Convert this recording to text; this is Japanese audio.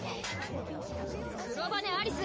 黒羽アリス